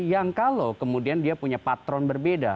yang kalau kemudian dia punya patron berbeda